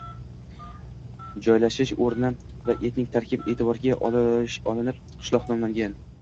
Joylashish o‘rni va etnik tarkib e’tiborga olinib qishloq nomlangan.